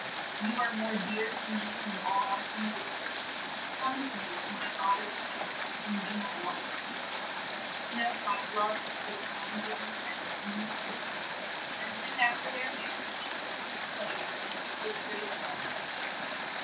"You are more dear to me than all else in the world. Come with me to my fath er's pal ace and be my wife." Snow drop loved the kind young prince, and went with him and soon af ter their mar riage took place with great splen dor.